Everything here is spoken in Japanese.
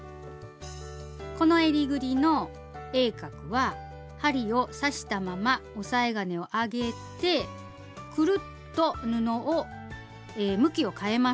このえりぐりの鋭角は針を刺したまま押さえ金を上げてくるっと布を向きをかえます。